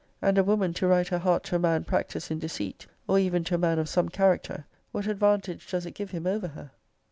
And a woman to write her heart to a man practised in deceit, or even to a man of some character, what advantage does it give him over her?